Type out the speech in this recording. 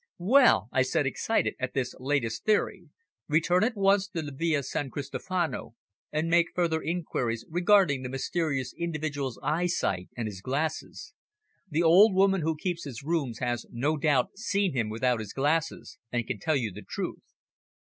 "Well," I said, excited at this latest theory. "Return at once to the Via San Cristofano and make further inquiries regarding the mysterious individual's eyesight and his glasses. The old woman who keeps his rooms has no doubt seen him without his glasses, and can tell you the truth."